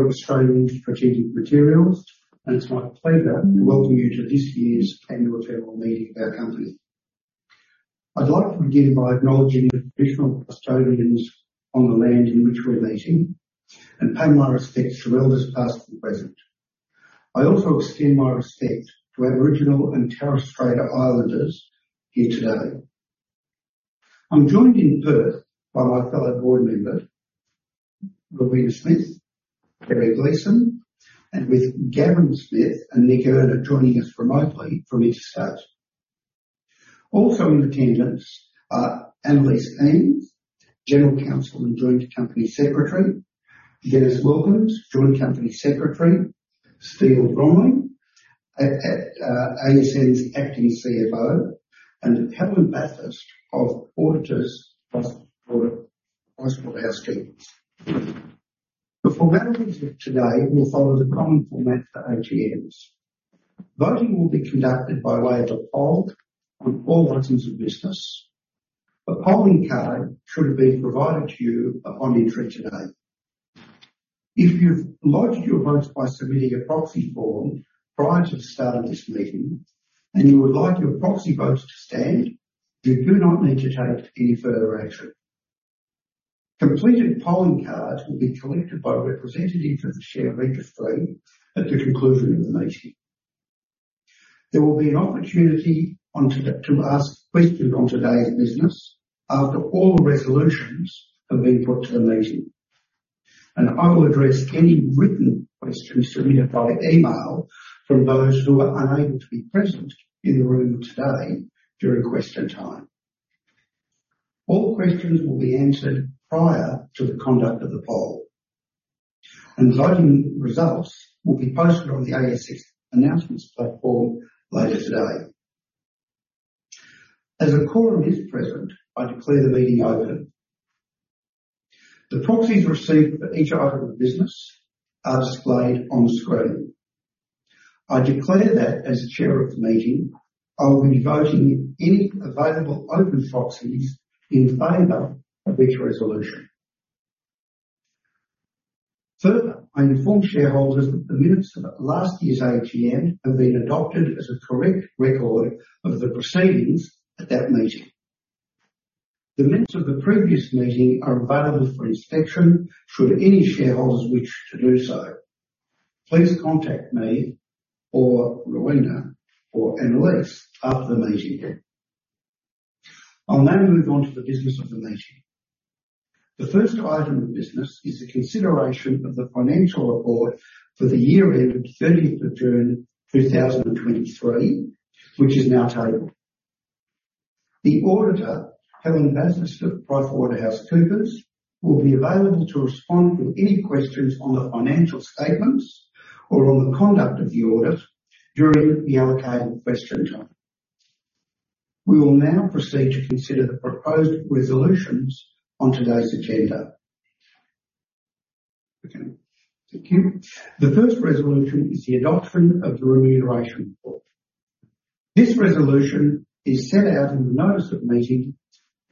of Australian Strategic Materials, and it's my pleasure to welcome you to this year's Annual General Meeting of our Company. I'd like to begin by acknowledging the traditional custodians on the land in which we're meeting, and pay my respects to elders, past and present. I also extend my respect to Aboriginal and Torres Strait Islanders here today. I'm joined in Perth by my fellow Board members, Rowena Smith, Kerry Gleeson, and with Gavin Smith and Nick Earner joining us remotely from each state. Also in attendance are Annaliese Eames, General Counsel and Joint Company Secretary, Dennis Wilkins, Joint Company Secretary, Steele Bromley, at ASM's Acting CFO, and Helen Bathurst of Auditors PricewaterhouseCoopers. The formalities of today will follow the common format for AGMs. Voting will be conducted by way of a poll on all items of business. A polling card should have been provided to you upon entry today. If you've lodged your vote by submitting a proxy form prior to the start of this meeting, and you would like your proxy vote to stand, you do not need to take any further action. Completed polling cards will be collected by a representative of the share registry at the conclusion of the meeting. There will be an opportunity to ask questions on today's business after all Resolutions have been put to the meeting, and I will address any written questions submitted via email from those who are unable to be present in the room today during question time. All questions will be answered prior to the conduct of the poll, and voting results will be posted on the ASX announcements platform later today. As a quorum is present, I declare the meeting open. The proxies received for each item of business are displayed on the screen. I declare that as Chair of the meeting, I will be voting any available open proxies in favor of each Resolution. Further, I inform shareholders that the minutes of last year's AGM have been adopted as a correct record of the proceedings at that meeting. The minutes of the previous meeting are available for inspection, should any shareholders wish to do so. Please contact me or Rowena or Annaliese after the meeting end. I'll now move on to the business of the meeting. The first item of business is the consideration of the financial report for the year ended 30th of June 2023, which is now tabled. The auditor, Helen Bathurst of PricewaterhouseCoopers, will be available to respond to any questions on the financial statements or on the conduct of the audit during the allocated question time. We will now proceed to consider the proposed Resolutions on today's agenda. Thank you. The first Resolution is the adoption of the remuneration report. This Resolution is set out in the notice of meeting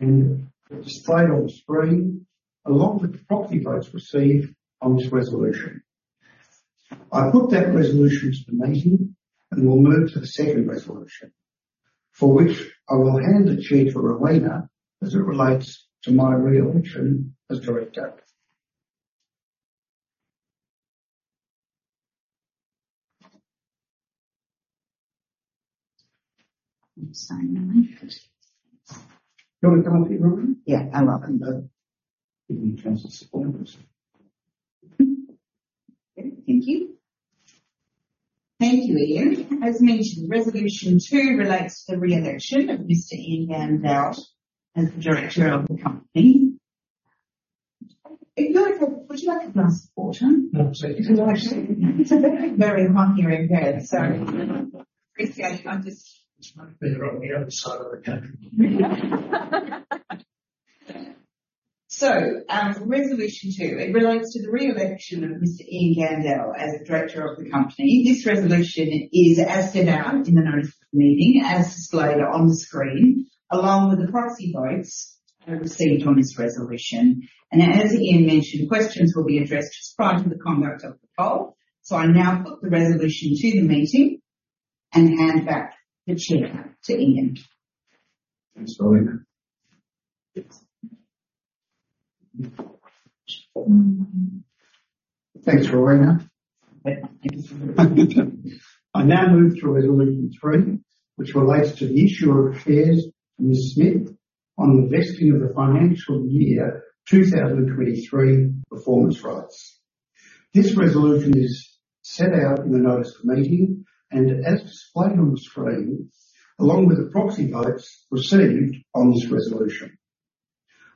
and displayed on the screen, along with the proxy votes received on this Resolution. I put that Resolution to the meeting and will move to the second Resolution, for which I will hand the chair to Rowena as it relates to my re-election as director. I'm sorry. You want to come up here, Rowena? Yeah, I'm welcome, though. Give you a chance to support us. Thank you. Thank you, Ian. As mentioned, Resolution 2 relates to the re-election of Mr. Ian Gandel as the Director of the company. If you like, would you like a glass of water? No, thank you. Because actually, it's a very, very hot here in Perth, so appreciate if I just- I'd much rather be on the other side of the country. So, Resolution 2, it relates to the re-election of Mr. Ian Gandel as Director of the company. This Resolution is as set out in the notice of the meeting, as displayed on the screen, along with the proxy votes I received on this Resolution. And as Ian mentioned, questions will be addressed just prior to the conduct of the poll. So I now put the Resolution to the meeting and hand back the chair to Ian. Thanks, Rowena. Yes. Um... Thanks, Rowena. I now move to Resolution 3, which relates to the issue of shares to Ms. Smith on the vesting of the financial year 2023 performance rights. This Resolution is set out in the notice of meeting and as displayed on the screen, along with the proxy votes received on this Resolution.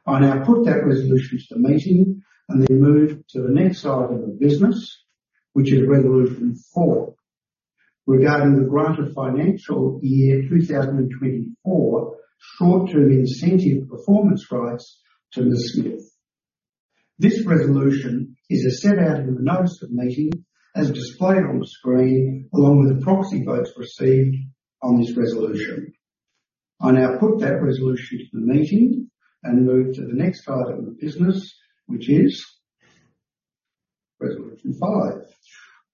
I now put that Resolution to the meeting and then move to the next item of business, which is Resolution 4, regarding the grant of financial year 2024 short-term incentive performance rights to Ms. Smith. This Resolution is as set out in the notice of meeting, as displayed on the screen, along with the proxy votes received on this Resolution. I now put that Resolution to the meeting and move to the next item of business, which is Resolution 5,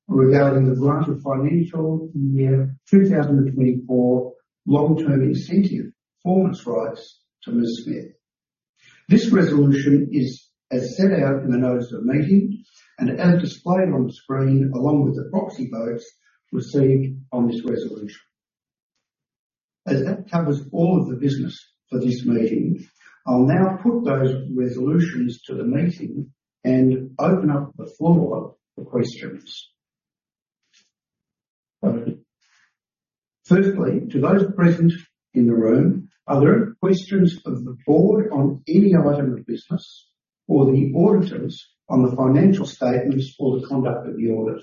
regarding the grant of financial year 2024 long-term incentive performance rights to Ms. Smith. This Resolution is as set out in the notice of meeting and as displayed on the screen, along with the proxy votes received on this Resolution. As that covers all of the business for this meeting, I'll now put those Resolutions to the meeting and open up the floor for questions. Firstly, to those present in the room, are there questions of the Board on any item of business or the auditors on the financial statements or the conduct of the audit?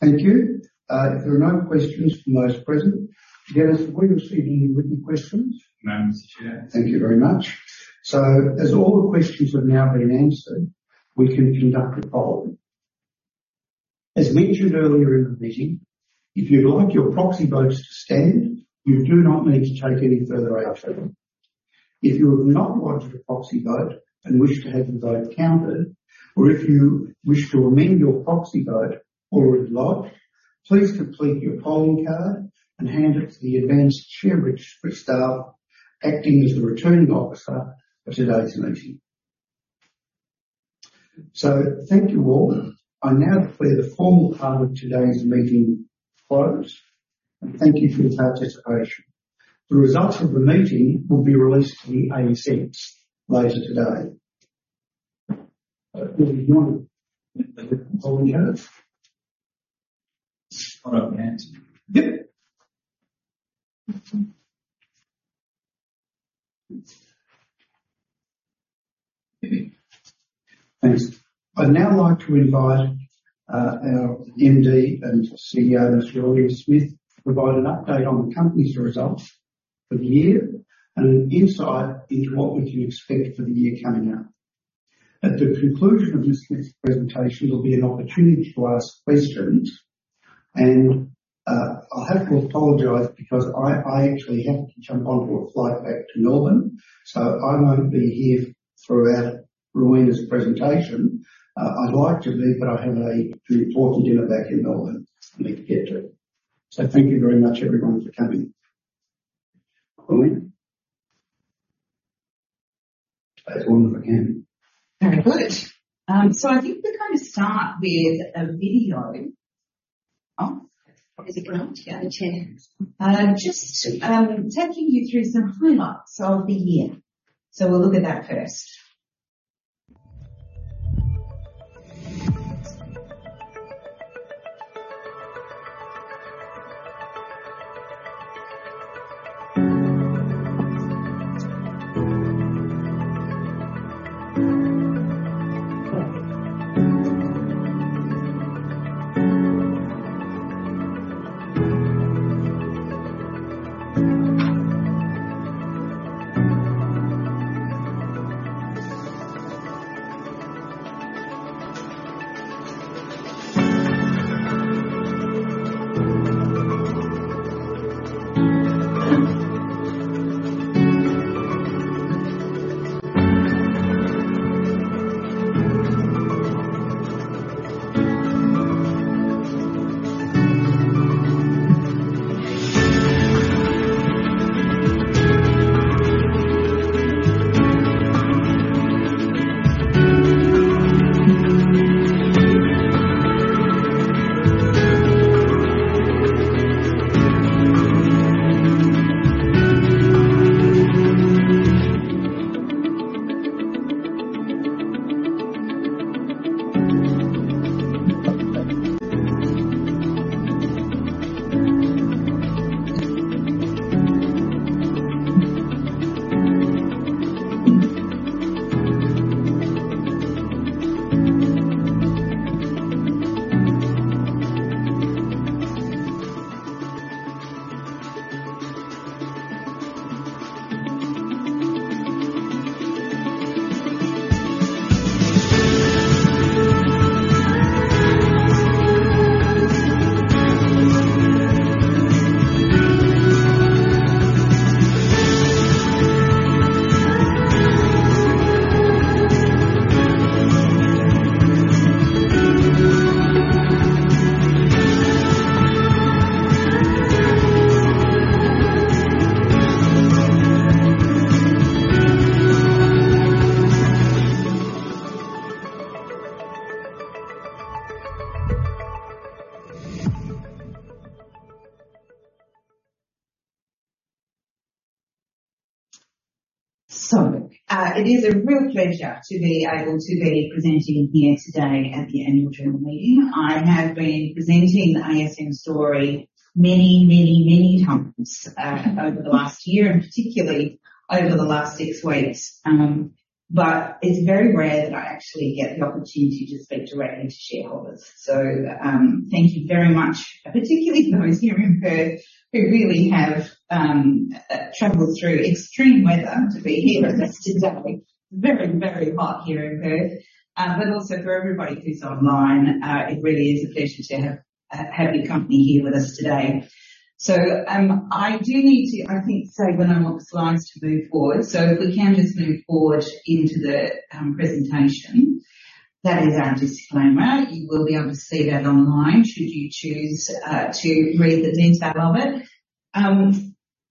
Thank you. If there are no questions from those present, Dennis, were you receiving any written questions? No, Mr. Chair. Thank you very much. As all the questions have now been answered, we can conduct a poll. As mentioned earlier in the meeting, if you'd like your proxy votes to stand, you do not need to take any further action. If you have not voted a proxy vote and wish to have the vote counted, or if you wish to amend your proxy vote already logged, please complete your polling card and hand it to the Advanced Share, Rick Sie, acting as the returning officer for today's meeting. Thank you all. I now declare the formal part of today's meeting closed, and thank you for your participation. The results of the meeting will be released to the ASX later today. Do you want the polling card? I don't answer. Yep. Thanks. I'd now like to invite our MD and CEO, that's Rowena Smith, to provide an update on the company's results for the year and an insight into what we can expect for the year coming up. At the conclusion of this next presentation, there'll be an opportunity to ask questions, and I'll have to apologize because I actually have to jump onto a flight back to Melbourne, so I won't be here throughout Rowena's presentation. I'd like to be, but I have an important dinner back in Melbourne I need to get to. So thank you very much, everyone, for coming. Rowena. As wonderful as again. Very good. So I think we're going to start with a video. Oh, is it going to go, the chair? Just taking you through some highlights of the year. So we'll look at that first. It is a real pleasure to be able to be presenting here today at the annual general meeting. I have been presenting the ASM story many, many, many times over the last year and particularly over the last six weeks. But it's very rare that I actually get the opportunity to speak directly to shareholders. Thank you very much, particularly for those here in Perth, who really have traveled through extreme weather to be here. That's exactly very, very hot here in Perth. But also for everybody who's online, it really is a pleasure to have your company here with us today. So, I do need to, I think, say when I want the slides to move forward. So if we can just move forward into the presentation. That is our disclaimer. You will be able to see that online, should you choose to read the detail of it.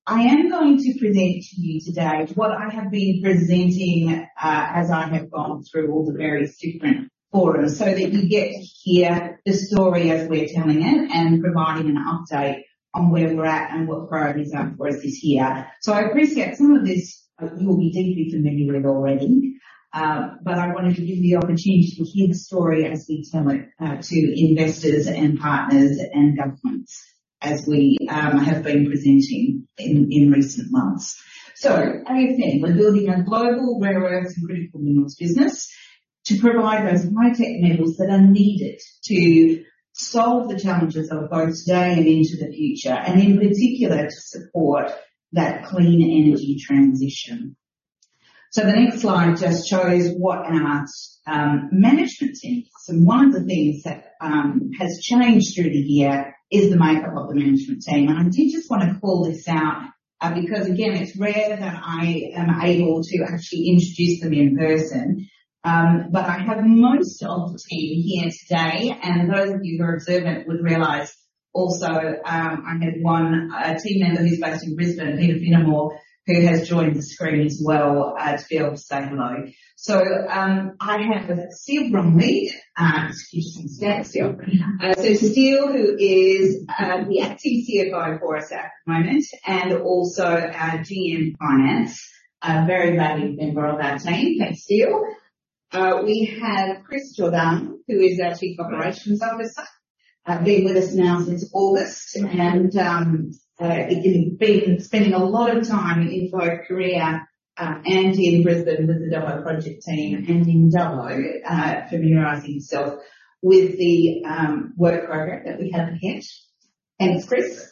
I am going to present to you today what I have been presenting as I have gone through all the various different forums, so that you get to hear the story as we're telling it and providing an update on where we're at and what priorities are for us this year. So I appreciate some of this, you will be deeply familiar with already, but I wanted to give you the opportunity to hear the story as we tell it, to investors and partners and governments, as we have been presenting in recent months. So ASM, we're building a global rare earths and critical minerals business to provide those high-tech metals that are needed to solve the challenges of both today and into the future, and in particular, to support that clean energy transition. So the next slide just shows what our management team is. And one of the things that has changed through the year is the makeup of the management team. And I did just wanna call this out, because again, it's rare that I am able to actually introduce them in person. But I have most of the team here today, and those of you who are observant would realize also, I have one team member who's based in Brisbane, Peter Finnimore, who has joined the screen as well to be able to say hello. So, I have with Steele Bromley. Excuse me, Steele. So Steele, who is the Acting CFO for us at the moment and also our GM Finance, a very valued member of our team. Thanks, Steele. We have Chris Jordan, who is our Chief Operations Officer, been with us now since August and he's been spending a lot of time in both Korea and in Brisbane with the Dubbo project team and in Dubbo, familiarizing himself with the work program that we have ahead. Thanks, Chris.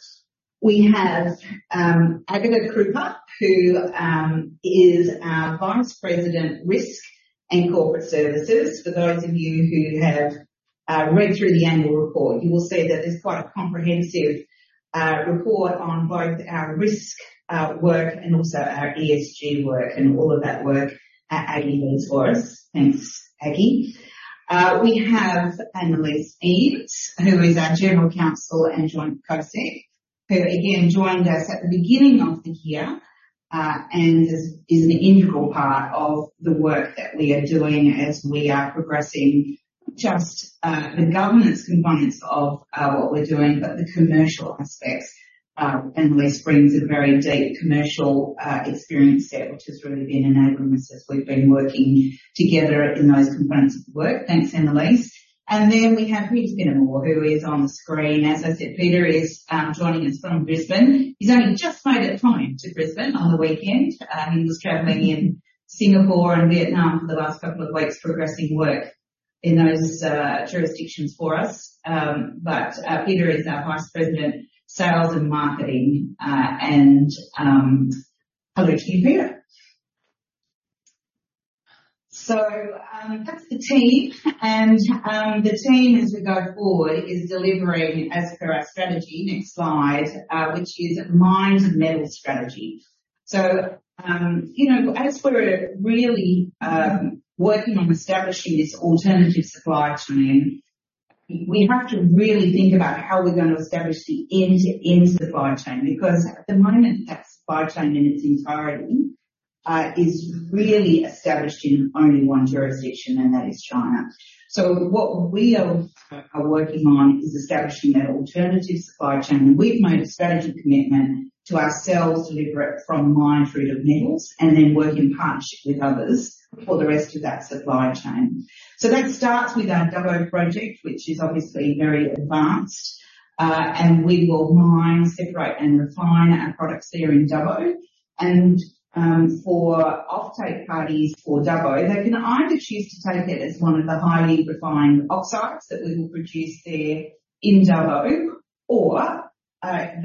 We have, Agata Krupa, who, is our Vice President, Risk and Corporate Services. For those of you who have, read through the annual report, you will see that there's quite a comprehensive, report on both our risk, work and also our ESG work and all of that work that Aggie does for us. Thanks, Aggie. We have Annaliese Eames, who is our General Counsel and Joint Co-Sec, who again, joined us at the beginning of the year, and is an integral part of the work that we are doing as we are progressing, just, the governance components of, what we're doing, but the commercial aspects. Annaliese brings a very deep commercial, experience set, which has really been enabling us as we've been working together in those components of the work. Thanks, Annaliese. And then we have Peter Finnimore, who is on the screen. As I said, Peter is joining us from Brisbane. He's only just made it home to Brisbane on the weekend. He was traveling in Singapore and Vietnam for the last couple of weeks, progressing work in those jurisdictions for us. But Peter is our Vice President, Sales and Marketing, and hello to you, Peter. So that's the team and the team, as we go forward, is delivering as per our strategy. Next slide, which is mined metal strategy. So you know, as we're really working on establishing this alternative supply chain, we have to really think about how we're gonna establish the end-to-end supply chain, because at the moment, that supply chain in its entirety is really established in only one jurisdiction, and that is China. So what we are working on is establishing that alternative supply chain. And we've made a strategy commitment to ourselves to deliver it from mine through to metals, and then work in partnership with others for the rest of that supply chain. So that starts with our Dubbo project, which is obviously very advanced, and we will mine, separate, and refine our products there in Dubbo. And for offtake parties for Dubbo, they can either choose to take it as one of the highly refined oxides that we will produce there in Dubbo, or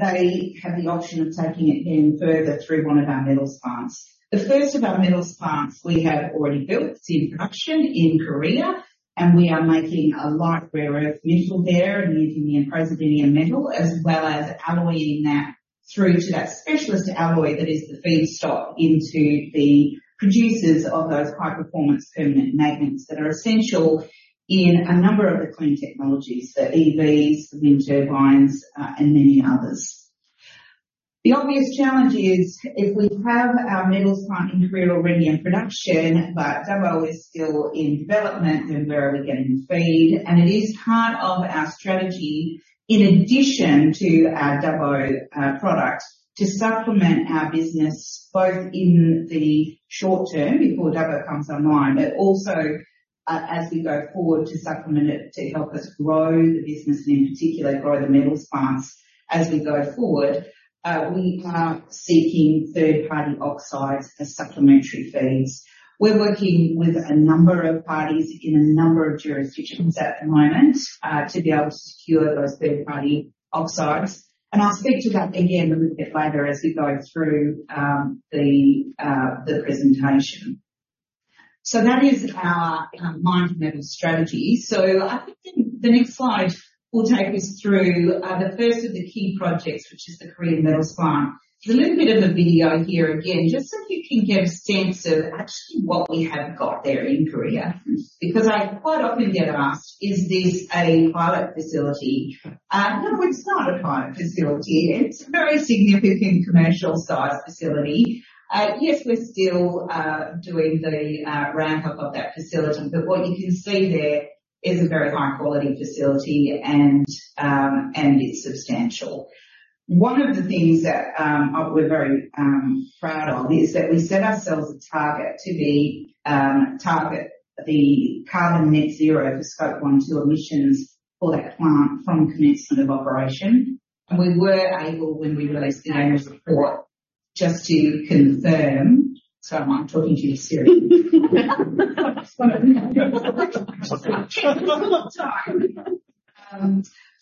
they have the option of taking it then further through one of our Metals Plants. The first of our Metals Plants we have already built, it's in production in Korea, and we are making a light rare earth metal there and using the praseodymium metal, as well as alloying that through to that specialist alloy that is the feedstock into the producers of those high-performance permanent magnets that are essential in a number of the clean technologies, the EVs, the wind turbines, and many others. The obvious challenge is, if we have our Metals Plant in Korea already in production, but Dubbo is still in development, then where are we getting the feed? And it is part of our strategy, in addition to our Dubbo products, to supplement our business both in the short term before Dubbo comes online, but also, as we go forward, to supplement it, to help us grow the business and in particular, grow the Metals Plants as we go forward. We are seeking third-party oxides as supplementary feeds. We're working with a number of parties in a number of jurisdictions at the moment, to be able to secure those third-party oxides, and I'll speak to that again a little bit later as we go through the presentation. So that is our mined metals strategy. So I think the next slide will take us through the first of the key projects, which is the Korean Metals Plant. There's a little bit of a video here again, just so you can get a sense of actually what we have got there in Korea. Because I quite often get asked, is this a pilot facility? No, it's not a pilot facility. It's a very significant commercial-size facility. Yes, we're still doing the ramp-up of that facility, but what you can see there is a very high-quality facility, and it's substantial. One of the things that we're very proud of is that we set ourselves a target to target the carbon net zero for Scope 1 and Scope 2 emissions for that plant from commencement of operation. And we were able, when we released the annual report, just to confirm. Sorry, I'm talking to you, Siri.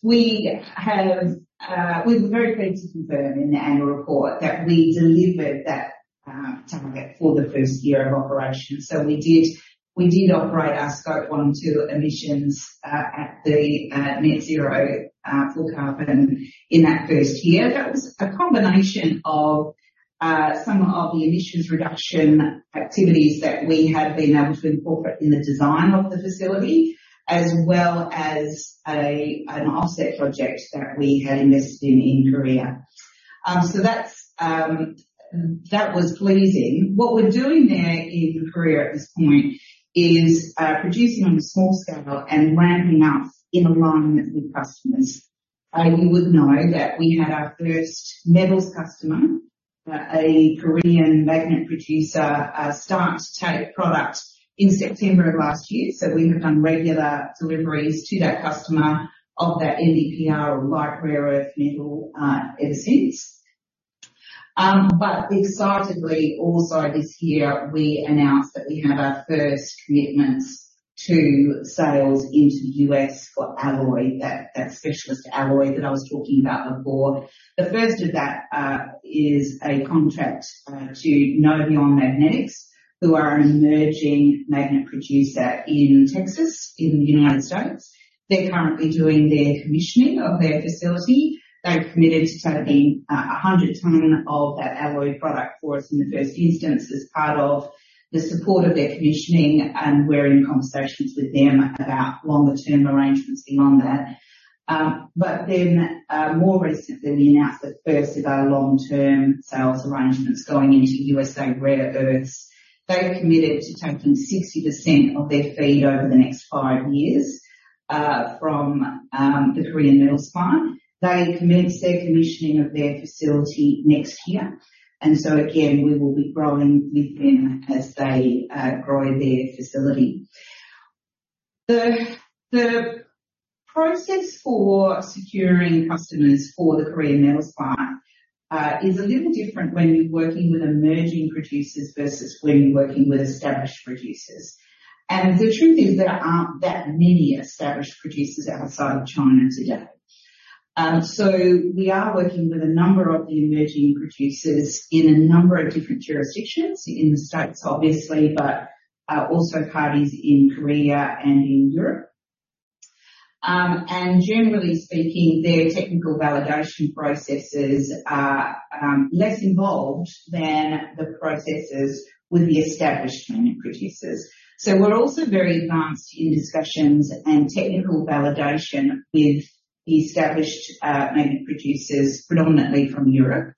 We were very pleased to confirm in the annual report that we delivered that target for the first year of operation. So we did, we did operate our Scope 1 and Scope 2 emissions at the net zero for carbon in that first year. That was a combination of some of the emissions reduction activities that we have been able to incorporate in the design of the facility, as well as an offset project that we had invested in in Korea. So that's, that was pleasing. What we're doing there in Korea at this point is producing on a small scale and ramping up in alignment with customers. You would know that we had our first metals customer, a Korean magnet producer, start to take product in September of last year. We have done regular deliveries to that customer of that NdPr or light rare earth metal ever since. But excitedly, also this year, we announced that we had our first commitments to sales into the U.S. for alloy, that specialist alloy that I was talking about before. The first of that is a contract to Noveon Magnetics, who are an emerging magnet producer in Texas, in the U.S. They're currently doing their commissioning of their facility. They've committed to taking 100 tons of that alloy product for us in the first instance, as part of the support of their commissioning, and we're in conversations with them about longer-term arrangements beyond that. But then, more recently, we announced the first of our long-term sales arrangements going into USA Rare Earth. They've committed to taking 60% of their feed over the Korean Metals Plant. they commence their commissioning of their facility next year, and so again, we will be growing with them as they grow their facility. The process Korean Metals Plant is a little different when you're working with emerging producers versus when you're working with established producers. The truth is, there aren't that many established producers outside of China today. So we are working with a number of the emerging producers in a number of different jurisdictions, in the States, obviously, but also parties in Korea and in Europe. And generally speaking, their technical validation processes are less involved than the processes with the established magnet producers. So we're also very advanced in discussions and technical validation with the established magnet producers, predominantly from Europe.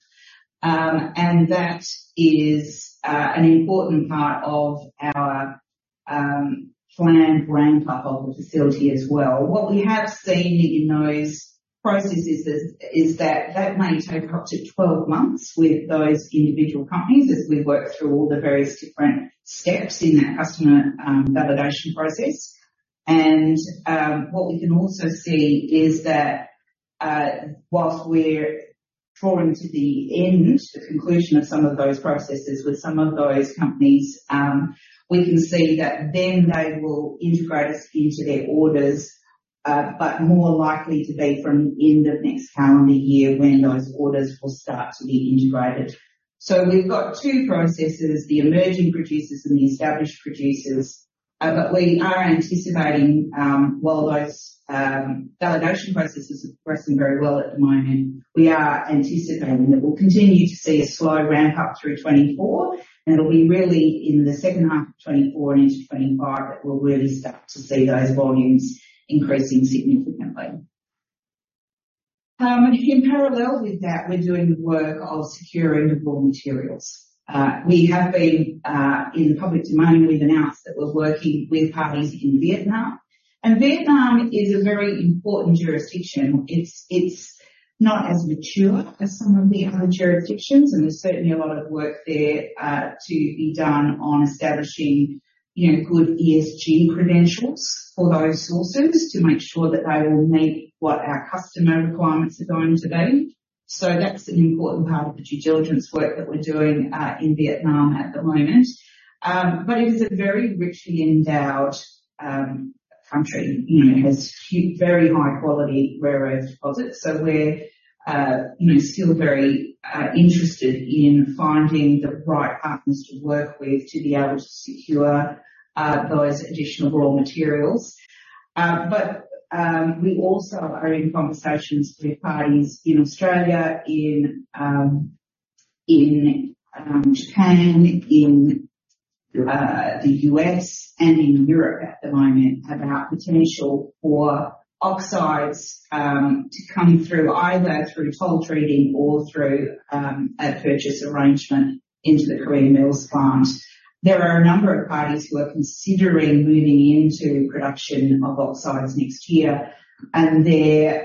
And that is an important part of our planned ramp-up of the facility as well. What we have seen in those processes is that may take up to 12 months with those individual companies as we work through all the various different steps in that customer validation process. And what we can also see is that whilst we're drawing to the end, the conclusion of some of those processes with some of those companies, we can see that then they will integrate us into their orders, but more likely to be from the end of next calendar year when those orders will start to be integrated. So we've got two processes, the emerging producers and the established producers, but we are anticipating, while those validation processes are progressing very well at the moment, we are anticipating that we'll continue to see a slow ramp-up through 2024, and it'll be really in the second half of 2024 and into 2025, that we'll really start to see those volumes increasing significantly. In parallel with that, we're doing the work of securing the raw materials. In the public domain, we've announced that we're working with parties in Vietnam. And Vietnam is a very important jurisdiction. It's, it's not as mature as some of the other jurisdictions, and there's certainly a lot of work there to be done on establishing, you know, good ESG credentials for those sources to make sure that they will meet what our customer requirements are going to be. So that's an important part of the due diligence work that we're doing in Vietnam at the moment. But it is a very richly endowed, that country, you know, has very high quality rare earth deposits. So we're, you know, still very, interested in finding the right partners to work with, to be able to secure those additional raw materials. But we also are in conversations with parties in Australia, in Japan, in the U.S., and in Europe at the moment, about potential for oxides to come through, either through toll treating or through Korean Metals Plant. there are a number of parties who are considering moving into production of oxides next year, and their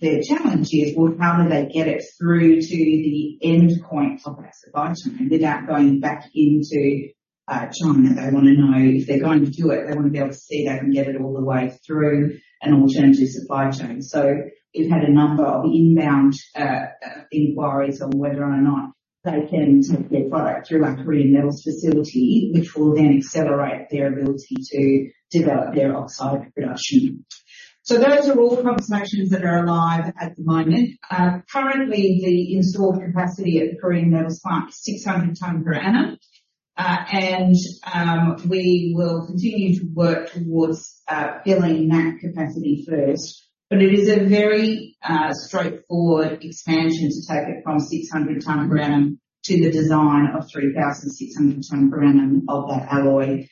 challenge is: well, how do they get it through to the end point of that supply chain without going back into China? They wanna know if they're going to do it, they wanna be able to see they can get it all the way through an alternative supply chain. So we've had a number of inbound inquiries on whether or not they can take their product through our Korean Metals facility, which will then accelerate their ability to develop their oxide production. So those are all the conversations that are alive at the moment. Currently, Korean Metals Plant is 600 ton per annum. And we will continue to work towards filling that capacity first. But it is a very straightforward expansion to take it from 600 ton per annum to the design of 3,600 ton per annum of that alloy.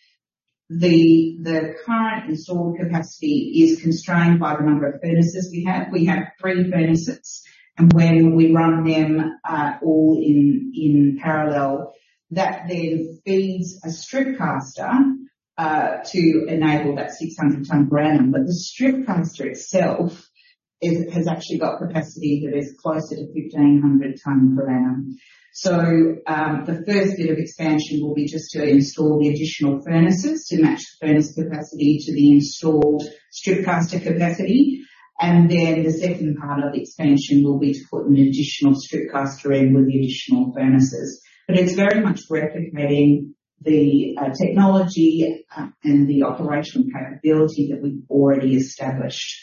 The current installed capacity is constrained by the number of furnaces we have. We have three furnaces, and when we run them, all in parallel, that then feeds a strip caster to enable that 600 ton per annum. But the strip caster itself has actually got capacity that is closer to 1,500 ton per annum. So, the first bit of expansion will be just to install the additional furnaces to match the furnace capacity to the installed strip caster capacity, and then the second part of the expansion will be to put an additional strip caster in with the additional furnaces. But it's very much replicating the technology and the operational capability that we've already established.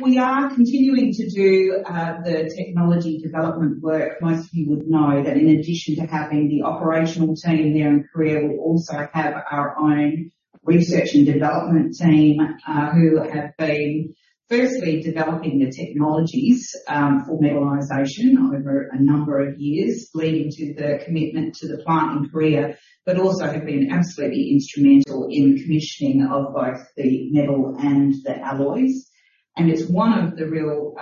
We are continuing to do the technology development work. Most of you would know that in addition to having the operational team there in Korea, we also have our own research and development team, who have been firstly developing the technologies for metallization over a number of years, leading to the commitment to the plant in Korea, but also have been absolutely instrumental in the commissioning of both the metal and the alloys. And it's one of the real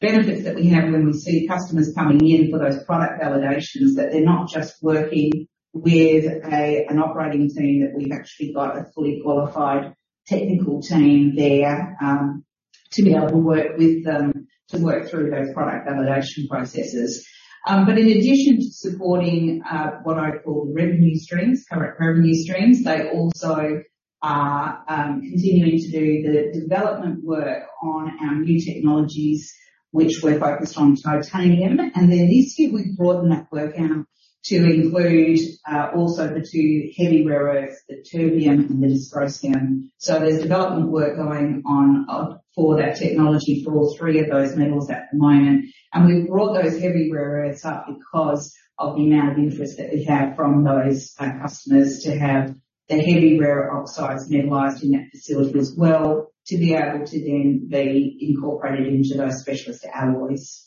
benefits that we have when we see customers coming in for those product validations, that they're not just working with an operating team, that we've actually got a fully qualified technical team there to be able to work with them, to work through those product validation processes. But in addition to supporting what I call revenue streams, current revenue streams, they also are continuing to do the development work on our new technologies, which we're focused on titanium. And then this year, we've broadened that work out to include also the two heavy rare earths, the terbium and the dysprosium. So there's development work going on for that technology for all three of those metals at the moment. And we've brought those heavy rare earths up because of the amount of interest that we have from those customers to have the heavy rare oxides metallized in that facility as well, to be able to then be incorporated into those specialist alloys.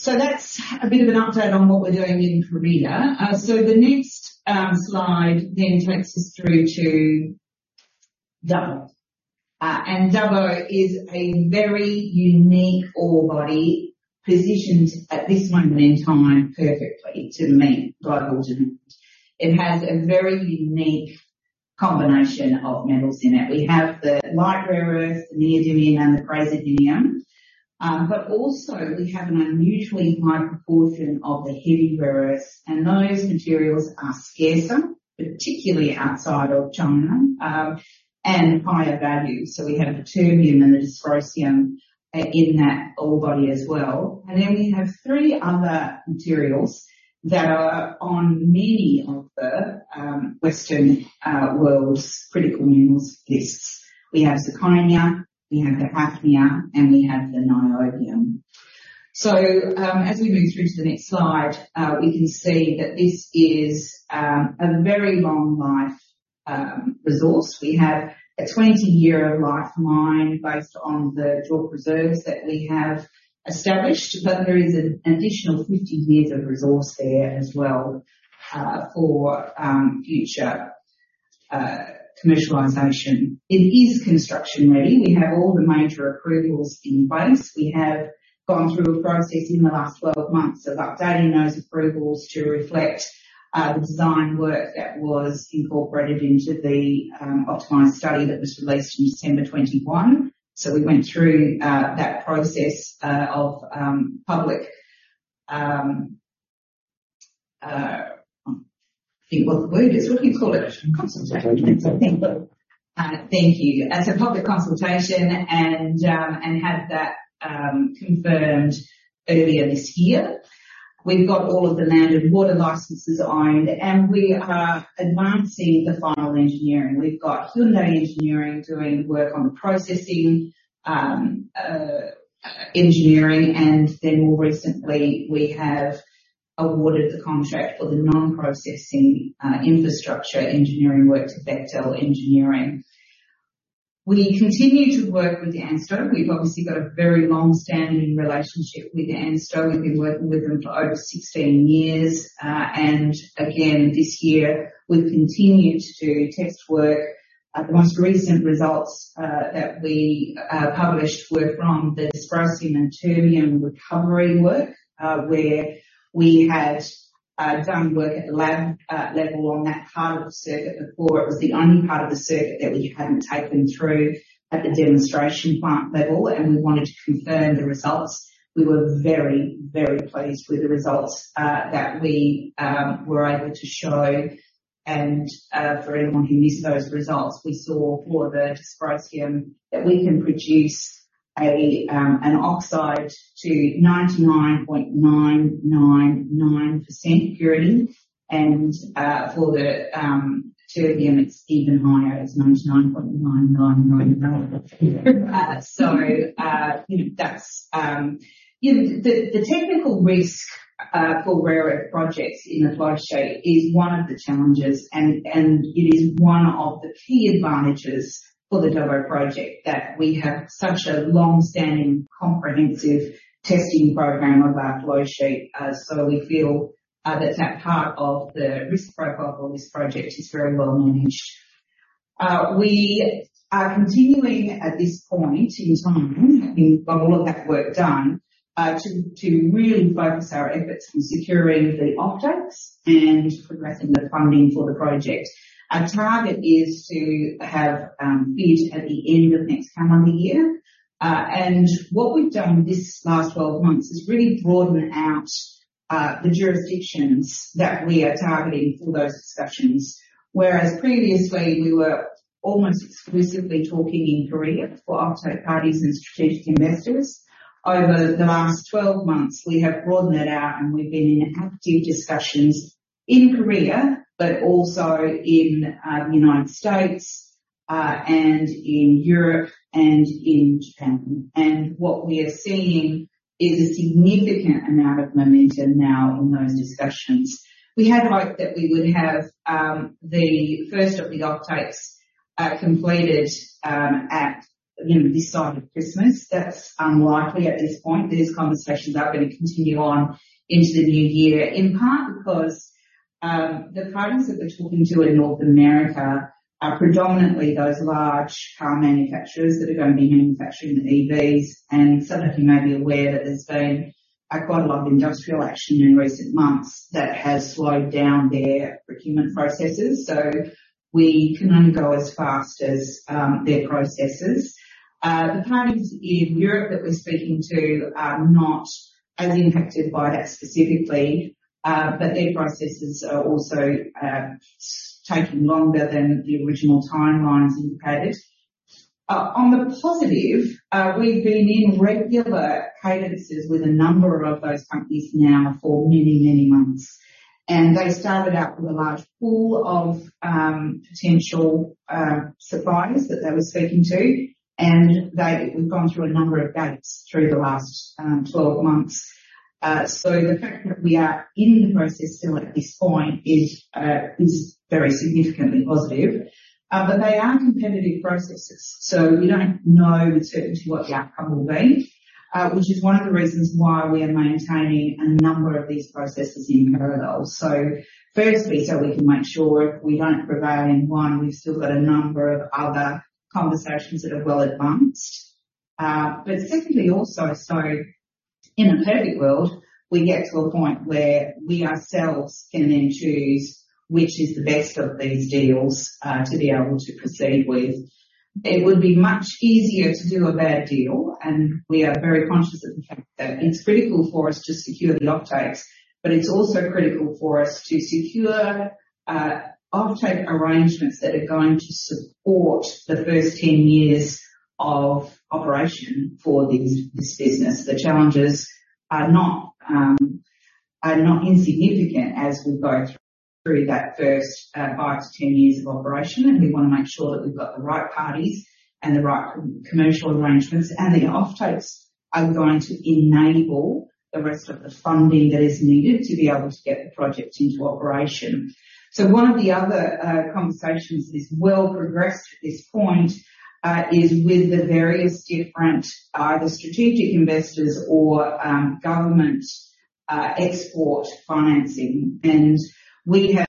So that's a bit of an update on what we're doing in Korea. So the next slide then takes us through to Dubbo. Dubbo is a very unique ore body, positioned at this point in time, perfectly to meet global demand. It has a very unique combination of metals in it. We have the light rare earths, the neodymium, and the praseodymium. But also we have an unusually high proportion of the heavy rare earths, and those materials are scarcer, particularly outside of China, and higher value. So we have the terbium and the dysprosium in that ore body as well. And then we have three other materials that are on many of the Western world's critical metals lists. We have zirconia, we have the hafnium, and we have the niobium. So, as we move through to the next slide, we can see that this is a very long-life resource. We have a 20-year life mine based on the reserve reserves that we have established, but there is an additional 50 years of resource there as well, for future commercialization. It is construction-ready. We have all the major approvals in place. We have gone through a process in the last 12 months of updating those approvals to reflect the design work that was incorporated into the optimized study that was released in December 2021. So we went through that process of public... I forget what the word is. What do you call it? Consultation, I think. Thank you. And so public consultation and had that confirmed earlier this year. We've got all of the land and water licenses owned, and we are advancing the final engineering. We've got Hyundai Engineering doing work on processing, engineering, and then more recently, we have awarded the contract for the non-processing, infrastructure engineering work to Bechtel Engineering. We continue to work with ANSTO. We've obviously got a very long-standing relationship with ANSTO. We've been working with them for over 16 years. And again, this year, we've continued to do test work. The most recent results that we published were from the dysprosium and terbium recovery work, where we had done work at the lab level on that part of the circuit before. It was the only part of the circuit that we hadn't taken through at the demonstration plant level, and we wanted to confirm the results. We were very, very pleased with the results that we were able to show. For anyone who missed those results, we saw for the dysprosium that we can produce an oxide to 99.999% purity. For the terbium, it's even higher, it's 99.9999%. So, you know, that's... Yeah, the technical risk for rare earth projects in the flow sheet is one of the challenges, and it is one of the key advantages for the Dubbo project, that we have such a long-standing, comprehensive testing program of our flow sheet. So we feel that that part of the risk profile for this project is very well managed. We are continuing at this point in time, having got all of that work done, to really focus our efforts on securing the offtakes and progressing the funding for the project. Our target is to have FID at the end of next calendar year. And what we've done this last 12 months is really broaden out the jurisdictions that we are targeting for those discussions. Whereas previously, we were almost exclusively talking in Korea for offtake parties and strategic investors. Over the last 12 months, we have broadened it out, and we've been in active discussions in Korea, but also in the U.S., and in Europe, and in Japan. And what we are seeing is a significant amount of momentum now in those discussions. We had hoped that we would have the first of the offtakes completed at, you know, this side of Christmas. That's unlikely at this point. These conversations are going to continue on into the new year. In part because, the parties that we're talking to in North America are predominantly those large car manufacturers that are going to be manufacturing the EVs. Some of you may be aware that there's been quite a lot of industrial action in recent months that has slowed down their procurement processes. We can only go as fast as their processes. The parties in Europe that we're speaking to are not as impacted by that specifically, but their processes are also taking longer than the original timelines indicated. On the positive, we've been in regular cadences with a number of those companies now for many, many months. They started out with a large pool of potential suppliers that they were speaking to, and we've gone through a number of gates through the last 12 months. So the fact that we are in the process still at this point is, is very significantly positive. But they are competitive processes, so we don't know with certainty what the outcome will be, which is one of the reasons why we are maintaining a number of these processes in parallel. So firstly, so we can make sure if we don't prevail in one, we've still got a number of other conversations that are well advanced. But secondly, also, so in a perfect world, we get to a point where we ourselves can then choose which is the best of these deals, to be able to proceed with. It would be much easier to do a bad deal, and we are very conscious of the fact that it's critical for us to secure the offtakes, but it's also critical for us to secure offtake arrangements that are going to support the first 10 years of operation for this, this business. The challenges are not insignificant as we go through that first five to 10 years of operation, and we want to make sure that we've got the right parties and the right commercial arrangements, and the offtakes are going to enable the rest of the funding that is needed to be able to get the project into operation. So one of the other conversations that is well progressed at this point is with the various different either strategic investors or government export financing. We have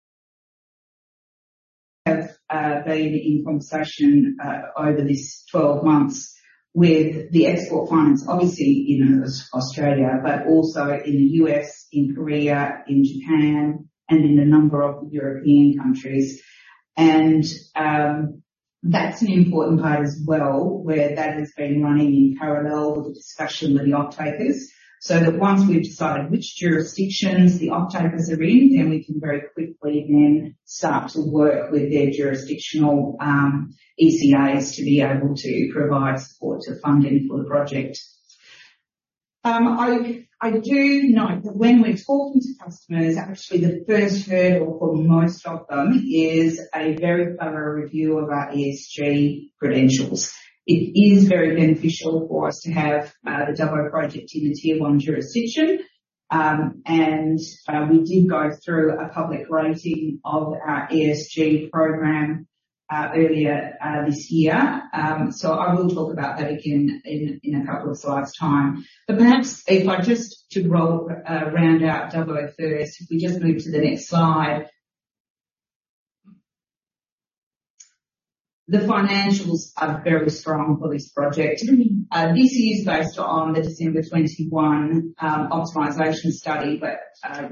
been in conversation over this 12 months with the Export Finance, obviously in Australia, but also in the U.S., in Korea, in Japan, and in a number of European countries. That's an important part as well, where that has been running in parallel with the discussion with the offtakers. So that once we've decided which jurisdictions the offtakers are in, then we can very quickly then start to work with their jurisdictional ECAs to be able to provide support to funding for the project. I do note that when we're talking to customers, actually the first hurdle for most of them is a very thorough review of our ESG credentials. It is very beneficial for us to have the Dubbo Project in a Tier 1 jurisdiction. And we did go through a public rating of our ESG program earlier this year. So I will talk about that again in a couple of slides' time. But perhaps if I just to roll round out Dubbo first, if we just move to the next slide. The financials are very strong for this project. This is based on the December 2021 optimization study. But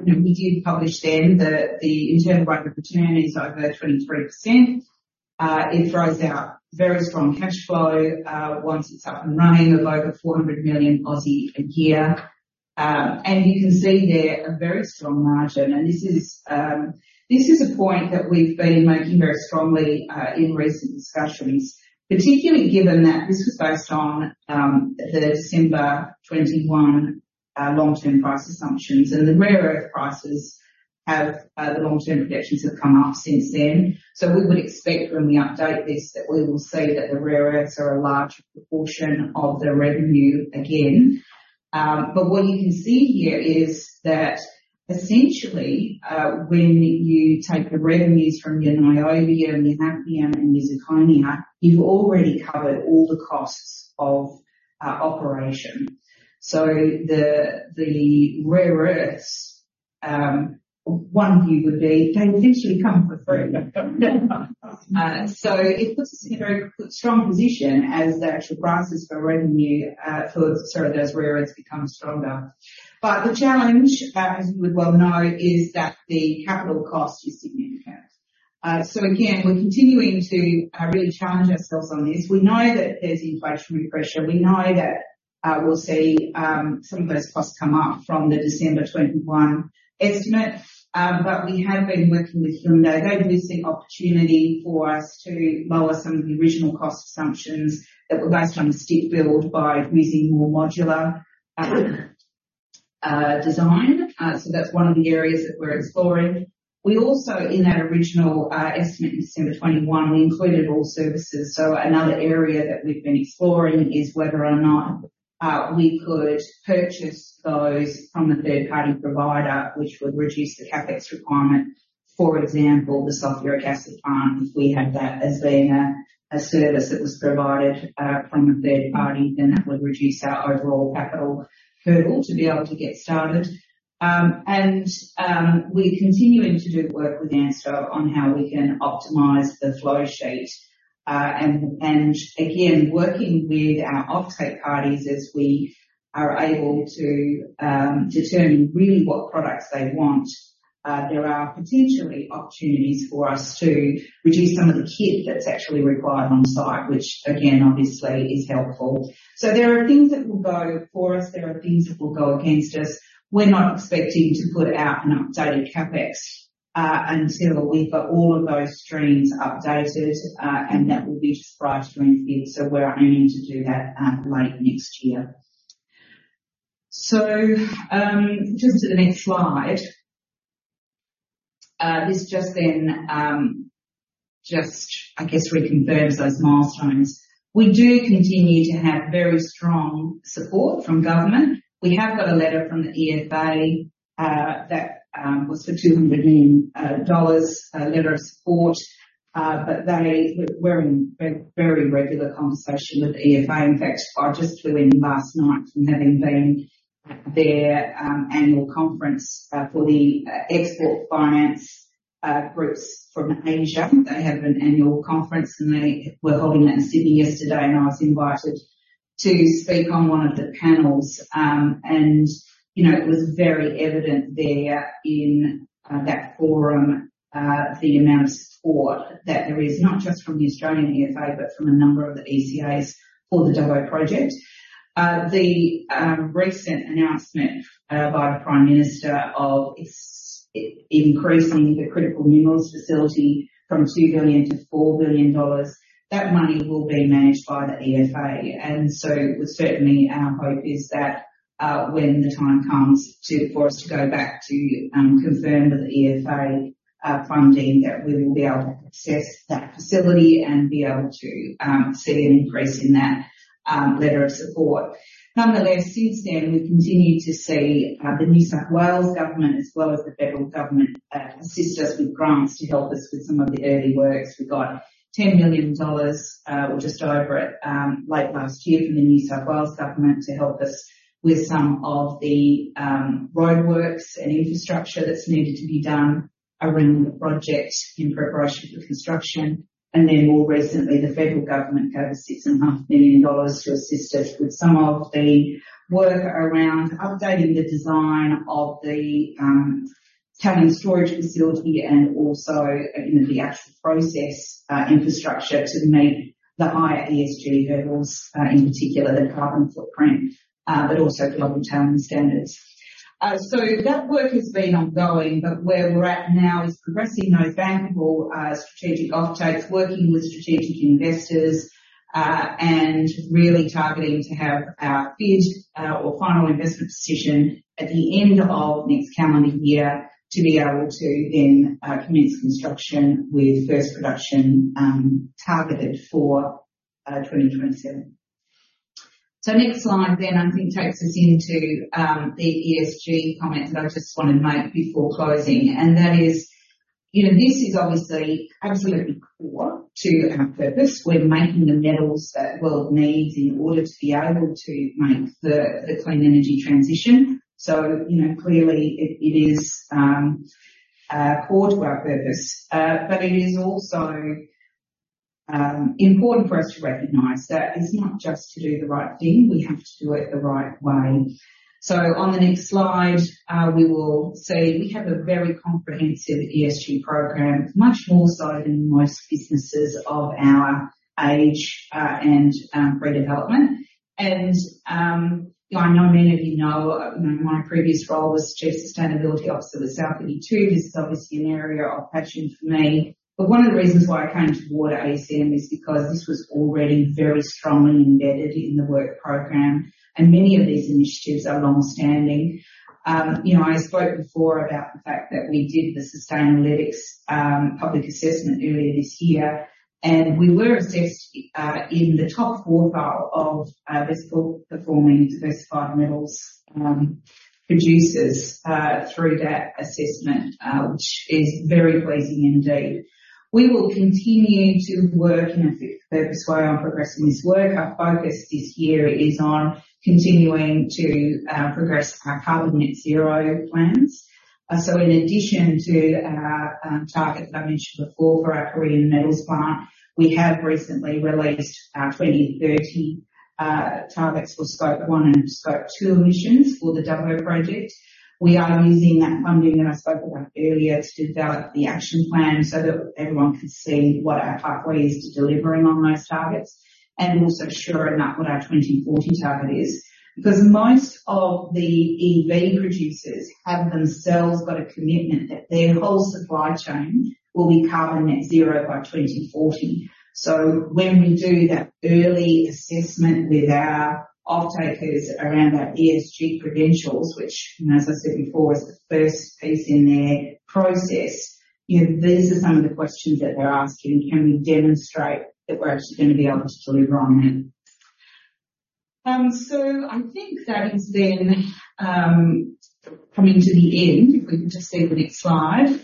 you know, we did publish then the internal rate of return is over 23%. It throws out very strong cash flow once it's up and running of over 400 million a year. And you can see there a very strong margin. And this is, this is a point that we've been making very strongly in recent discussions, particularly given that this was based on the December 2021 long-term price assumptions. And the rare earth prices have, the long-term projections have come up since then. So we would expect when we update this, that we will see that the rare earths are a large proportion of the revenue again. But what you can see here is that essentially, when you take the revenues from your niobium and your zirconia, you've already covered all the costs of operation. So the, the rare earths, one view would be, they essentially come for free. So it puts us in a very strong position as the actual prices for revenue, for sorry, those rare earths become stronger. But the challenge, as you would well know, is that the capital cost is significant. So again, we're continuing to really challenge ourselves on this. We know that there's inflationary pressure, we know that we'll see some of those costs come up from the December 2021 estimate. But we have been working with Hyundai. They've missed the opportunity for us to lower some of the original cost assumptions that were based on stick build by using more modular design. So that's one of the areas that we're exploring. We also, in that original estimate in December 2021, we included all services. So another area that we've been exploring is whether or not we could purchase those from a third-party provider, which would reduce the CapEx requirement. For example, the sulfuric acid plant, if we had that as being a service that was provided from a third party, then that would reduce our overall capital hurdle to be able to get started. We're continuing to do work with ANSTO on how we can optimize the flow sheet. And again, working with our off-take parties as we are able to determine really what products they want, there are potentially opportunities for us to reduce some of the kit that's actually required on site, which again, obviously is helpful. So there are things that will go for us, there are things that will go against us. We're not expecting to put out an updated CapEx until we've got all of those streams updated, and that will be just prior to FID. So we're aiming to do that late next year. Just to the next slide. This just then just I guess reconfirms those milestones. We do continue to have very strong support from government. We have got a letter from the EFA that was for 200 million dollars, a letter of support. But they... We're in very regular conversation with the EFA. In fact, I just flew in last night from having been at their annual conference for the export finance groups from Asia. They have an annual conference, and they were holding that in Sydney yesterday, and I was invited to speak on one of the panels. You know, it was very evident there in that forum, the amount of support that there is, not just from the Australian EFA, but from a number of the ECAs for the Dubbo Project. The recent announcement by the Prime Minister of increasing the Critical Minerals Facility from 2 billion-4 billion dollars, that money will be managed by the EFA. So certainly our hope is that, when the time comes for us to go back to confirm with the EFA funding, that we will be able to access that facility and be able to see an increase in that letter of support. Nonetheless, since then, we've continued to see the New South Wales government, as well as the federal government, assist us with grants to help us with some of the early works. We got 10 million dollars, or just over it, late last year from the New South Wales Government to help us with some of the roadworks and infrastructure that's needed to be done around the project in preparation for construction. And then more recently, the federal government gave us 6.5 million dollars to assist us with some of the work around updating the design of the tailings storage facility and also, you know, the actual process infrastructure to meet the higher ESG hurdles, in particular, the carbon footprint, but also global tailing standards. So that work has been ongoing, but where we're at now is progressing those bankable strategic offtakes, working with strategic investors, and really targeting to have our FID or final investment decision at the end of next calendar year, to be able to then commence construction with first production targeted for 2027. So next slide then I think takes us into the ESG comment that I just wanna make before closing. And that is, you know, this is obviously absolutely core to our purpose. We're making the metals that the world needs in order to be able to make the clean energy transition. So, you know, clearly it is core to our purpose. But it is also important for us to recognize that it's not just to do the right thing, we have to do it the right way. So on the next slide, we will see we have a very comprehensive ESG program, much more so than most businesses of our age, and redevelopment. And I know many of you know, my previous role was Chief Sustainability Officer with South32. This is obviously an area of passion for me, but one of the reasons why I came to Board ASM is because this was already very strongly embedded in the work program, and many of these initiatives are long-standing. You know, I spoke before about the fact that we did the Sustainalytics public assessment earlier this year, and we were assessed in the top quartile of visible performing diversified metals producers through that assessment, which is very pleasing indeed. We will continue to work in a fit-for-purpose way on progressing this work. Our focus this year is on continuing to progress our carbon net zero plans. So in addition to our targets that Korean Metals Plant, we have recently released our 2030 targets for Scope 1 and Scope 2 emissions for the Dubbo Project. We are using that funding that I spoke about earlier to develop the action plan, so that everyone can see what our pathway is to delivering on those targets, and also sure enough, what our 2040 target is. Because most of the EV producers have themselves got a commitment that their whole supply chain will be carbon net zero by 2040. So when we do that early assessment with our offtakers around our ESG credentials, which, you know, as I said before, is the first piece in their process, you know, these are some of the questions that they're asking: Can we demonstrate that we're actually gonna be able to deliver on them? So I think that is then coming to the end. If we can just see the next slide.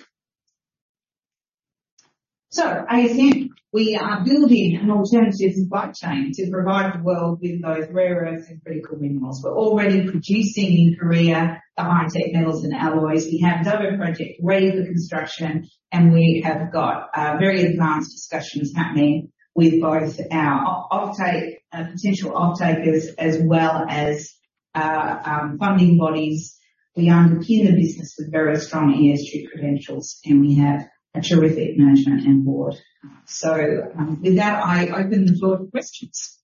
So ASM, we are building an alternative supply chain to provide the world with both rare earths and critical minerals. We're already producing in Korea, the high-tech metals and alloys. We have Dubbo Project ready for construction, and we have got very advanced discussions happening with both our offtake potential offtakers as well as funding bodies. We underpin the business with very strong ESG credentials, and we have a terrific management and Board. So, with that, I open the floor to questions.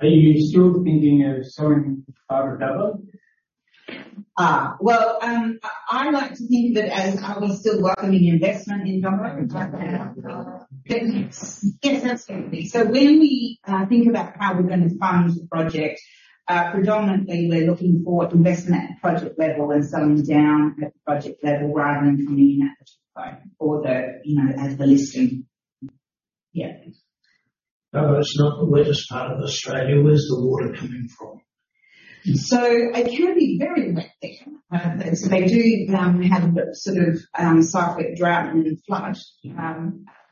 Are you still thinking of selling part of Dubbo? Well, I like to think that as we're still welcoming investment in Dubbo. Yes, absolutely. So when we think about how we're gonna fund the project, predominantly, we're looking for investment at project level and selling down at the project level, rather than coming in at the top or the, you know, as the listing. Yeah. Dubbo is not the wettest part of Australia. Where's the water coming from? So it can be very wet there. So they do have a sort of cyclic drought and then flood.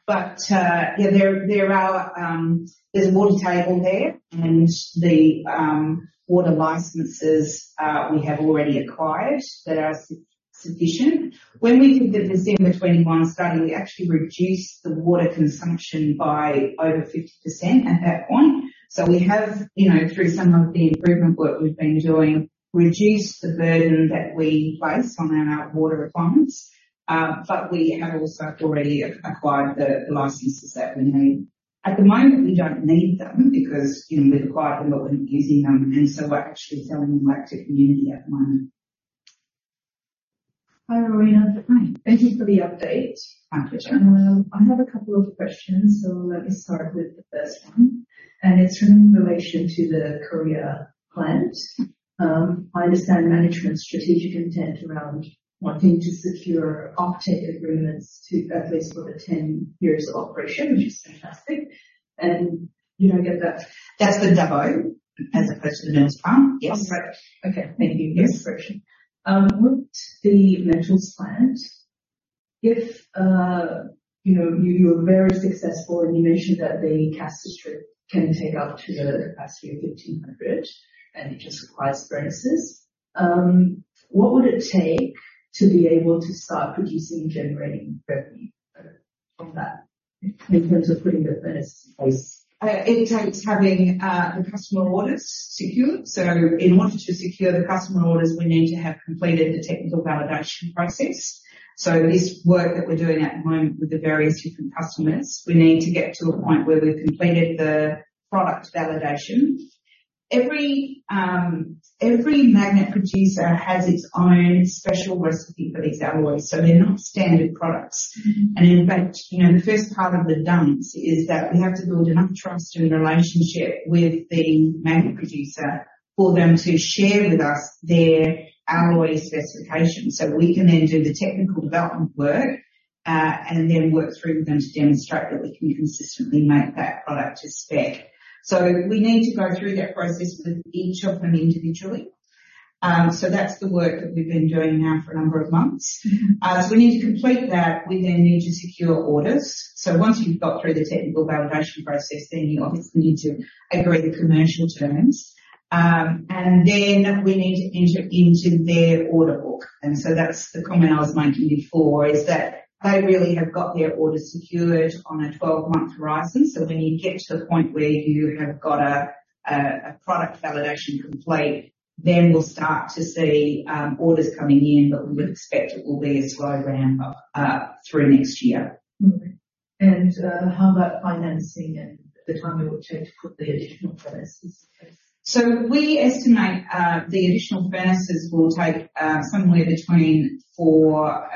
But yeah, there there are, there's a water table there, and the water licenses we have already acquired that are sufficient. When we did the December 2021 study, we actually reduced the water consumption by over 50% at that point. So we have, you know, through some of the improvement work we've been doing, reduced the burden that we place on our water requirements. But we have also already acquired the the licenses that we need. At the moment, we don't need them because, you know, we've acquired them, but we're not using them, and so we're actually selling them back to the community at the moment. Hi, Rowena. Hi. Thank you for the update. Thank you. I have a couple of questions, so let me start with the first one, and it's in relation to the Korea Plant. I understand management's strategic intent around wanting to secure offtake agreements to at least for the 10 years of operation, which is fantastic. And, you know, get that- That's the Dubbo, as opposed to the Metals Plant? Yes. Oh, right. Okay. Thank you. Yes. For the correction. With the Metals Plant, if, you know, you were very successful, and you mentioned that the caster strip can take up to the capacity of 1,500, and it just requires furnaces. What would it take to be able to start producing and generating revenue, from that in terms of putting the furnace in place? It takes having the customer orders secure. So in order to secure the customer orders, we need to have completed the technical validation process. So this work that we're doing at the moment with the various different customers, we need to get to a point where we've completed the product validation. Every magnet producer has its own special recipe for these alloys, so they're not standard products. And in fact, you know, the first part of the dance is that we have to build enough trust and relationship with the magnet producer for them to share with us their alloy specifications, so we can then do the technical development work, and then work through with them to demonstrate that we can consistently make that product to spec. So we need to go through that process with each of them individually. So that's the work that we've been doing now for a number of months. So we need to complete that. We then need to secure orders. So once you've got through the technical validation process, then you obviously need to agree the commercial terms. And then we need to enter into their order book. And so that's the comment I was making before, is that they really have got their orders secured on a 12-month horizon. So when you get to the point where you have got a product validation complete, then we'll start to see orders coming in, but we would expect it will be a slow ramp-up through next year. Okay. And, how about financing and the time it will take to put the additional furnaces? So we estimate, the additional furnaces will take, somewhere between four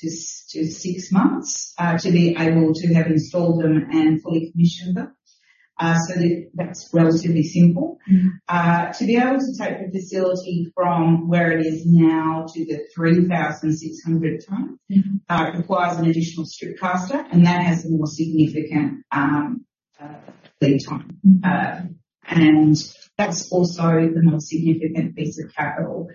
to six months, to be able to have installed them and fully commissioned them. So that, that's relatively simple. Mm-hmm. To be able to take the facility from where it is now to the 3,600 ton- Mm-hmm. requires an additional strip caster, and that has a more significant lead time. Mm-hmm. And that's also the more significant piece of capital.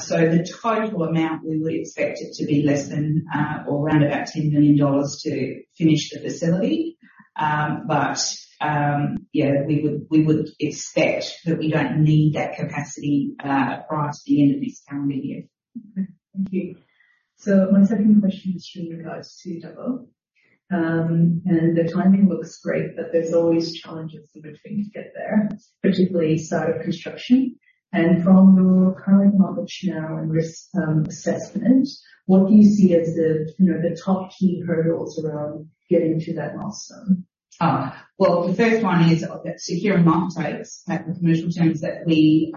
So the total amount, we would expect it to be less than, or around about 10 million dollars to finish the facility. But, we would, we would expect that we don't need that capacity, prior to the end of this calendar year. Okay. Thank you. So my second question is in regards to Dubbo. And the timing looks great, but there's always challenges that we're trying to get there, particularly start of construction. And from your current knowledge now and risk assessment, what do you see as the, you know, the top key hurdles around getting to that milestone? Well, the first one is securing market, take the commercial terms that we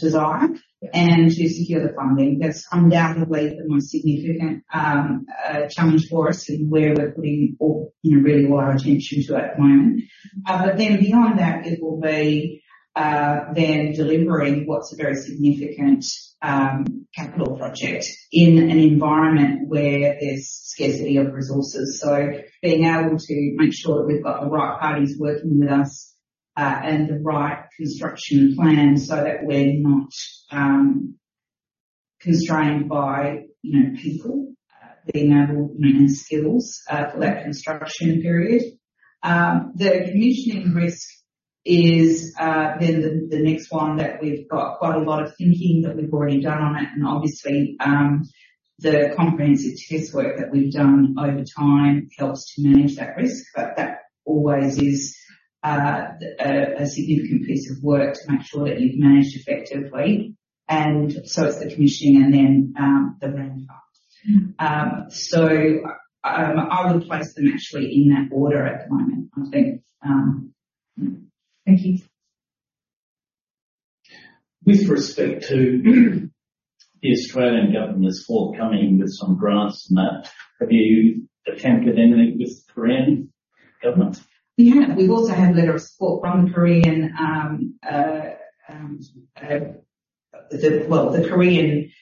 desire, and to secure the funding. That's undoubtedly the most significant challenge for us and where we're putting all, you know, really all our attention to at the moment. But then beyond that, it will be then delivering what's a very significant capital project in an environment where there's scarcity of resources. So being able to make sure that we've got the right parties working with us, and the right construction plan so that we're not constrained by, you know, people being able to manage skills for that construction period. The commissioning risk is then the next one that we've got quite a lot of thinking that we've already done on it, and obviously, the comprehensive test work that we've done over time helps to manage that risk. But that always is a significant piece of work to make sure that you've managed effectively, and so it's the commissioning and then the ramp-up. Mm-hmm. So, I would place them actually in that order at the moment, I think. Thank you. With respect to the Australian Government's forthcoming with some grants, and that, have you attempted anything with Korean Government? Yeah. We've also had a letter of support from the Korean, the Korean,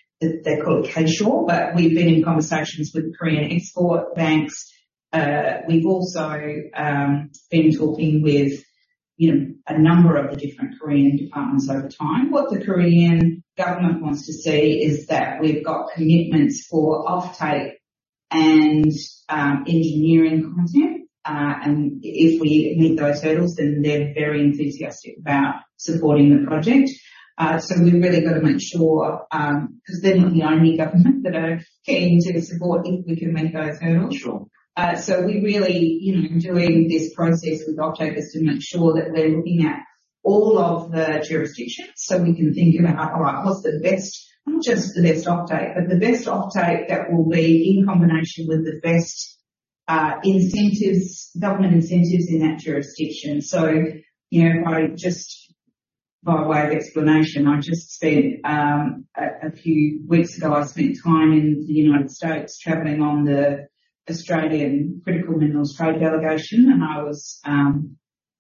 they're called K-SURE, but we've been in conversations with Korean export banks. We've also been talking with, you know, a number of the different Korean departments over time. What the Korean Government wants to see is that we've got commitments for offtake and engineering content. And if we meet those hurdles, then they're very enthusiastic about supporting the project. So we've really got to make sure, 'cause they're not the only government that are keen to support if we can meet those hurdles. Sure. So we really, you know, doing this process with offtake is to make sure that we're looking at all of the jurisdictions, so we can think about, all right, what's the best, not just the best offtake, but the best offtake that will be in combination with the best, incentives, government incentives in that jurisdiction. So, you know, I just, by way of explanation, I just said, a few weeks ago, I spent time in the U.S. traveling on the Australian Critical Minerals Trade Delegation, and I was,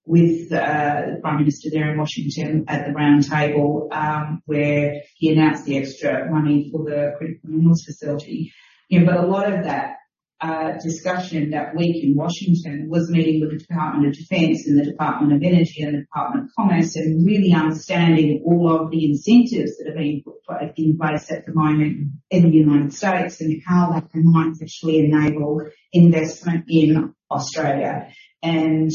with the Prime Minister there in Washington at the round table, where he announced the extra money for the Critical Minerals Facility. You know, but a lot of that discussion that week in Washington was meeting with the Department of Defense and the Department of Energy and the Department of Commerce, and really understanding all of the incentives that are being put in place at the moment in the U.S., and how that might actually enable investment in Australia. And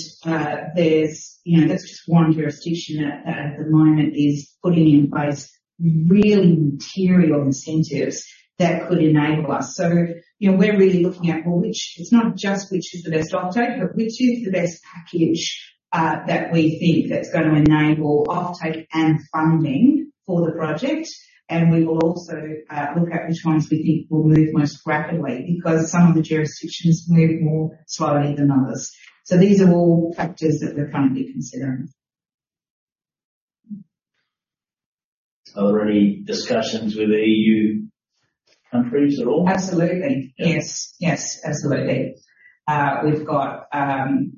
there's, you know, that's just one jurisdiction that at the moment is putting in place really material incentives that could enable us. So, you know, we're really looking at, well, which—it's not just which is the best offtake, but which is the best package that we think that's gonna enable offtake and funding for the project. And we will also look at which ones we think will move most rapidly, because some of the jurisdictions move more slowly than others. These are all factors that we're currently considering.... Are there any discussions with EU countries at all? Absolutely. Yeah. Yes, yes, absolutely. We've got,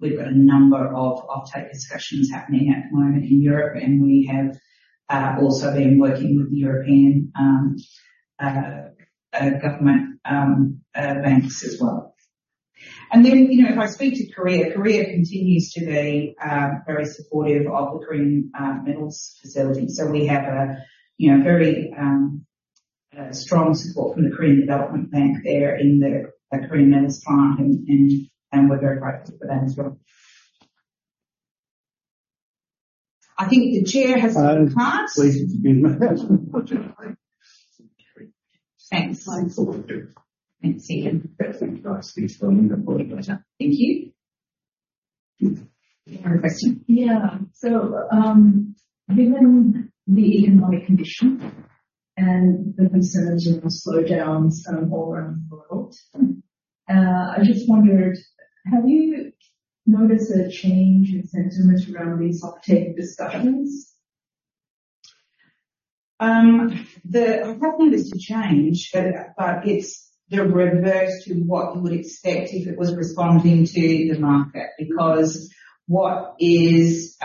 we've got a number of offtake discussions happening at the moment in Europe, and we have also been working with the European government banks as well. And then, you know, if I speak to Korea, Korea continues to be very supportive of the Korean metals facility. So we have a, you know, very strong support from the Korean Korean Metals Plant, and we're very grateful for that as well. I think the chair has to pass. Please, it's been my pleasure. Thanks. Thanks a lot. Thanks, Ian. Thank you, guys. Thanks for coming. Thank you. You have a question? Yeah. So, given the economic condition and the concerns around the slowdowns, all around the world- Mm. I just wondered, have you noticed a change in sentiment around these offtake discussions? I haven't noticed a change, but it's the reverse to what you would expect if it was responding to the market. Because what is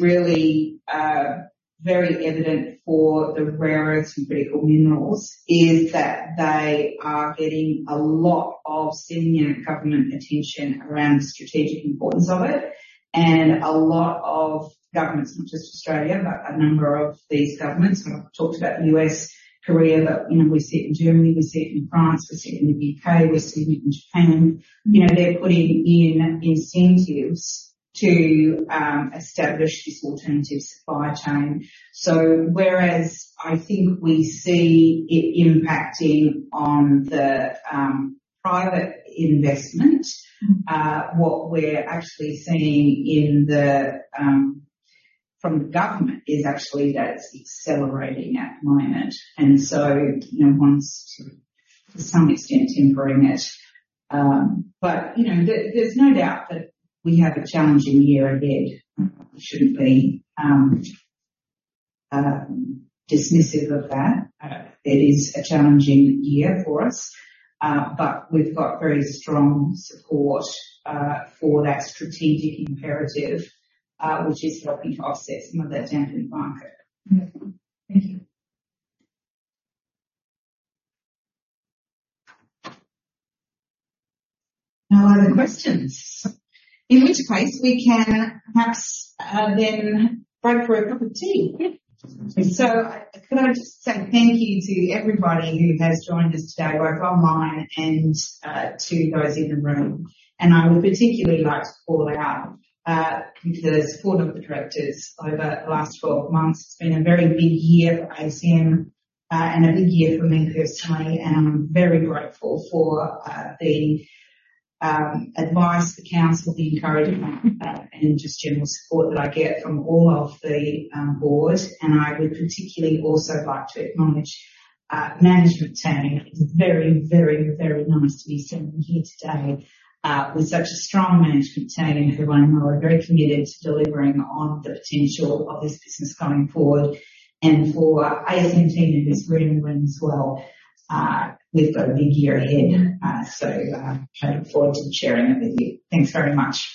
really very evident for the rare earth and critical minerals is that they are getting a lot of senior government attention around the strategic importance of it. And a lot of governments, not just Australia, but a number of these governments, and I've talked about the U.S., Korea, but, you know, we see it in Germany, we see it in France, we see it in the U.K., we're seeing it in Japan. You know, they're putting in incentives to establish this alternative supply chain. So whereas I think we see it impacting on the private investment, what we're actually seeing from the government is actually that it's accelerating at the moment. And so, you know, wants to some extent improving it. But, you know, there, there's no doubt that we have a challenging year ahead. We shouldn't be dismissive of that. It is a challenging year for us, but we've got very strong support for that strategic imperative, which is helping to offset some of that down in the market. Mm-hmm. Thank you. No other questions. In which case, we can perhaps, then break for a cup of tea. Yeah. So could I just say thank you to everybody who has joined us today, both online and, to those in the room. And I would particularly like to call out, the support of the directors over the last 12 months. It's been a very big year for ASM, and a big year for me personally, and I'm very grateful for, advice, the counsel, the encouragement, and just general support that I get from all of the, Board. And I would particularly also like to acknowledge, management team. It's very, very, very nice to be sitting here today, with such a strong management team who I know are very committed to delivering on the potential of this business going forward. And for ASM team in this room as well, we've got a big year ahead. I look forward to sharing it with you. Thanks very much.